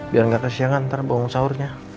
biar nggak kesianan ntar bongsaurnya